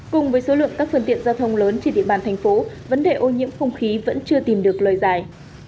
cùng với số lượng các phương tiện giao thông lớn trên địa bàn thành phố vấn đề ô nhiễm không khí vẫn chưa tìm được lời giải